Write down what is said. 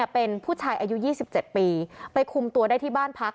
เป็นผู้ชายอายุ๒๗ปีไปคุมตัวได้ที่บ้านพัก